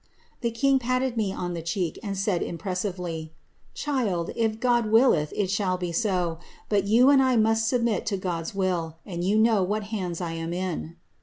^ The king patted me on the cheek, and said, impressively, < Child, if God willeth, it sliall be so ; but you and I must submit to God's willf and you know what hands I am in.'